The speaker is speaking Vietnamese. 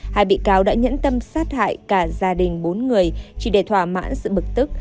hai bị cáo đã nhẫn tâm sát hại cả gia đình bốn người chỉ để thỏa mãn sự bực tức